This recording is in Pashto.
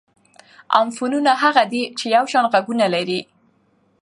اموفونونه هغه دي، چي یو شان ږغونه لري.